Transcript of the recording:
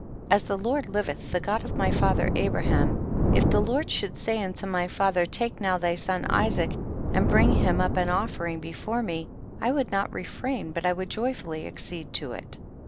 As the Lord hveth, the God of my father Abraham, if the Lord should say unto my father, take now thy son Isaac and bring liim up an ofl'ering before me, I woukl not re frain but I would joyfully accede to it.